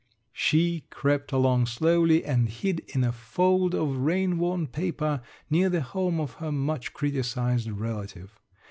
She crept along slowly and hid in a fold of rain worn paper near the home of her much criticized relative.